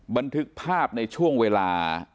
บันทึกภาพในช่วงเวลา